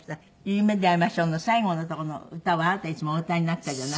『夢であいましょう』の最後のとこの歌はあなたいつもお歌いになったじゃない？